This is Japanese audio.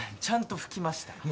ちゃんと拭きました。